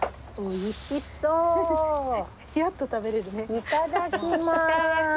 いただきます！